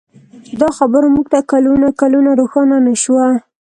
دا خبره موږ ته کلونه کلونه روښانه نه شوه.